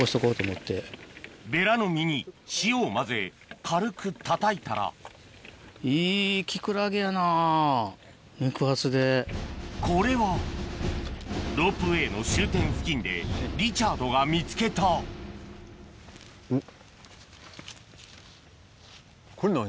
ベラの身に塩を混ぜ軽くたたいたらこれはロープウエーの終点付近でリチャードが見つけたん？